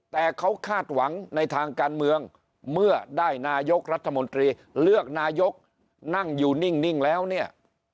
แต่เขาคาดหวังในทางการเมืองเมื่อได้นายกรัฐมนตรีเลือกนายกนั่งอยู่นิ่งแล้วเนี่ย